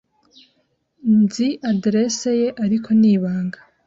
Nzi adresse ye, ariko ni ibanga.